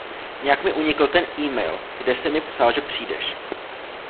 Nějak mi unikl ten email, kde jsi mi psal, že přijdeš.